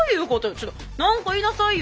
ちょっと何か言いなさいよ。